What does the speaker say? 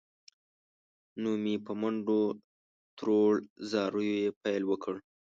نو مې په منډو تروړ، زاریو یې پیل وکړ.